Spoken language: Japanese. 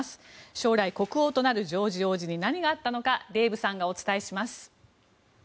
将来、国王となるジョージ王子に何があったのかデーブさんがお伝えします。